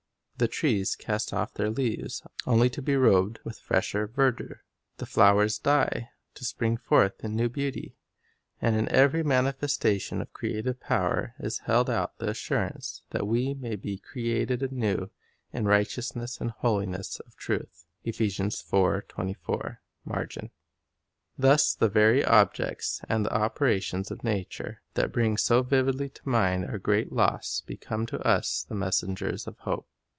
The trees cast off their leaves, only to be robed with fresher verdure; the flowers die, to spring forth in new beauty; and in every manifestation of creative power is held out the assurance that we may be created anew in "right eousness and holiness of truth." 2 Thus the very ob jects and operations of nature that bring so vividly to mind our great loss become to us the messengers of hope.